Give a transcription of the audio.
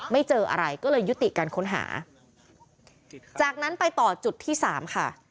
เจออะไรก็เลยยุติการค้นหาจากนั้นไปต่อจุดที่สามค่ะ